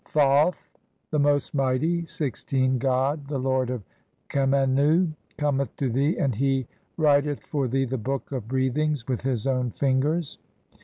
Thoth, the most mighty (16) god, "the lord of Khemennu, cometh to thee, and he writ "eth for thee the Book of Breathings with his own fin "gers.